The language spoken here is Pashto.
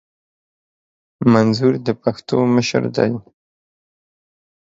منظور د پښتنو مشر دي